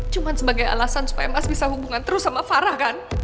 cuma sebagai alasan supaya ms bisa hubungan terus sama farah kan